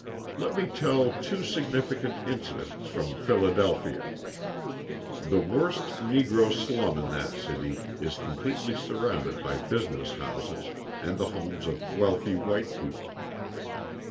Let me tell two significant incidents from Philadelphia. The worst Negro slum in that city is completely surrounded by business houses and the homes of wealthy white people.